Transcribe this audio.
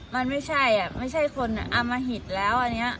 มันไม่ใช่คนอามหิตแล้ว